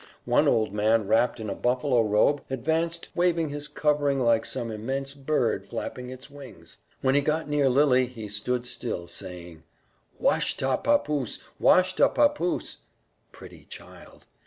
One old man wrapped in a buffalo robe advanced waving his covering like some immense bird flapping its wings. When he got near Lily he stood still, saying: "Washta papoose! Washta papoose!" (Pretty child!